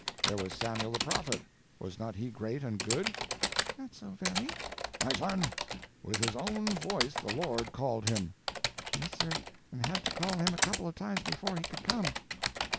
There was Samuel the prophet. Was not he great and good?" "Not so very." "My son! With His own voice the Lord called him." "Yes, sir, and had to call him a couple times before he could come!"